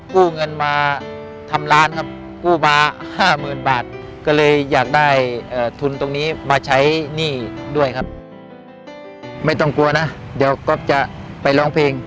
กู้เงินมาทำร้านครับกู้มา๕๐๐๐๐บาท